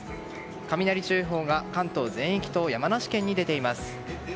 雷注意報が関東全域と山梨県に出ています。